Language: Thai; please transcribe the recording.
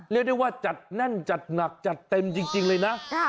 เรียกได้ว่าจัดแน่นจัดหนักจัดเต็มจริงเลยนะ